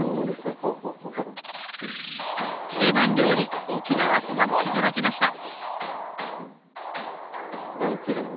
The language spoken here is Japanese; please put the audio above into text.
定番料理、沖縄そばもいただきました。